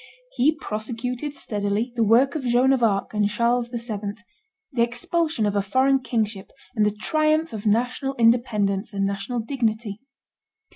He prosecuted steadily the work of Joan of Arc and Charles VII., the expulsion of a foreign kingship and the triumph of national independence and national dignity.